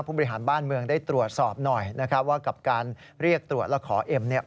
ผู้บริหารบ้านเมืองได้ตรวจสอบหน่อยนะครับว่ากับการเรียกตรวจและขอเอ็มเนี่ย